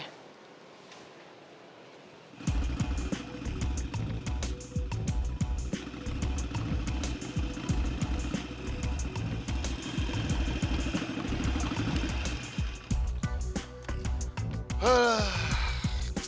aduh perang ingat ingat ya ma